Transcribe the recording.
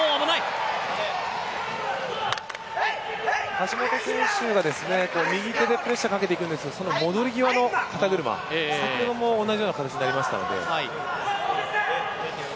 橋本選手が右手でプレッシャーかけていくんですけどその戻り際の肩車、先ほども同じような形になりましたので。